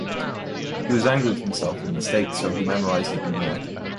He was angry with himself for the mistake so he memorized even more.